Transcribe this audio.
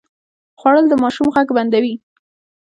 خوړل د ماشوم غږ بندوي